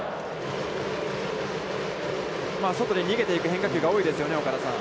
外で逃げていく変化球が多いですね岡田さん。